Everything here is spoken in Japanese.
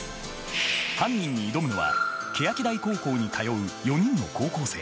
犯人に挑むのは欅台高校に通う４人の高校生。